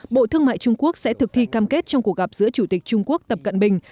bộ thương mại trung quốc sẽ thực thi cam kết trong cuộc gặp giữa chủ tịch trung quốc tập cận bình